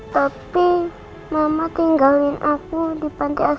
tapi mama tinggalin aku di panti asuhan